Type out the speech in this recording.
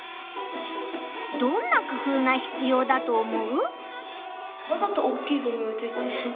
どんな工夫がひつようだと思う？